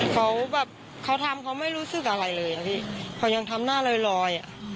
เขาแบบเขาทำเขาไม่รู้สึกอะไรเลยนะพี่เขายังทำหน้าลอยลอยอ่ะ